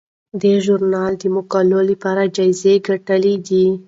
دې ژورنال د مقالو لپاره جایزې ګټلي دي.